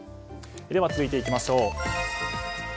続いていきましょう。